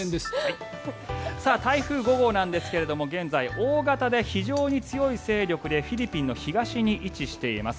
台風５号なんですが現在、大型で非常に強い勢力でフィリピンの東に位置しています。